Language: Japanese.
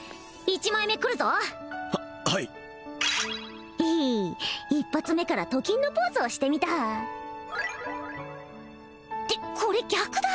１枚目くるぞははいへへ一発目からと金のポーズをしてみたってこれ逆だ！